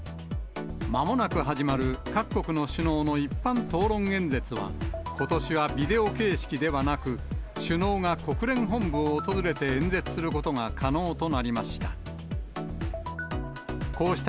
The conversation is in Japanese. まもなく始まる各国の首脳の一般討論演説は、ことしはビデオ形式ではなく、首脳が国連本部を訪れて演説することが可能となりました。